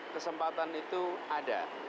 kelembatan itu ada